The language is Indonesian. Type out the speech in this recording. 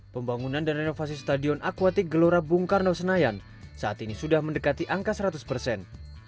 pembangunan dan renovasi stadion akuatik gelora bung karno senayan saat ini sudah mendekati angka seratus persen